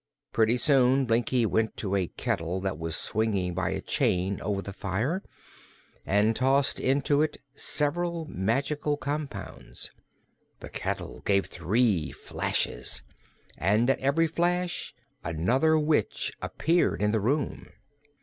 Pretty soon Blinkie went to a kettle that was swinging by a chain over the fire and tossed into it several magical compounds. The kettle gave three flashes, and at every flash another witch appeared in the room.